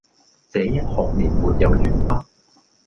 這一學年沒有完畢，